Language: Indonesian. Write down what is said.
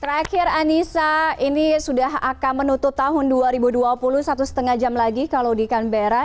terakhir anissa ini sudah akan menutup tahun dua ribu dua puluh satu setengah jam lagi kalau di canberra